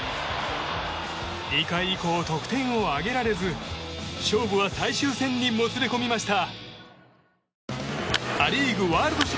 ２回以降、得点を挙げられず勝負は最終戦にもつれ込みました。